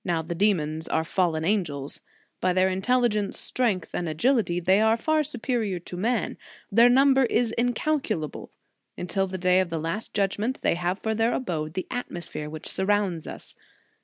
Now the demons are fallen angels. By their intelligence, strength and agility, they are far superior to man. Their number is incalculable. Until the day of the last judg ment they have for their abode the atmosphere which surrounds us.